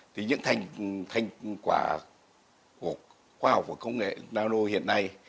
thì những thành quả của khoa học và công nghệ danolo hiện nay